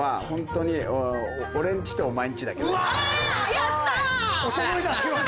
やった！